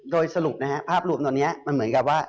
ด้วยสรุปนะภาพลูปตรงนี้มันเหมือนกับว่า